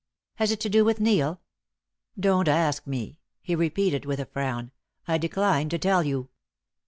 "Has it to do with Neil?" "Don't ask me," he repeated, with a frown. "I decline to tell you."